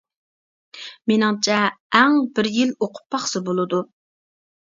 مېنىڭچە ئەڭ بىر يىل ئوقۇپ باقسا بولىدۇ.